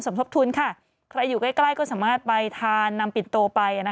สมทบทุนค่ะใครอยู่ใกล้ใกล้ก็สามารถไปทานนำปินโตไป